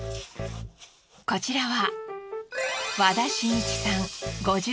こちらは。